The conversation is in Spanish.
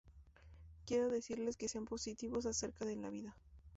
Quiero decirles que sean positivos acerca de la vida.